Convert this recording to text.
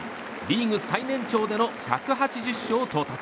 リーグ最年長での１８０勝到達。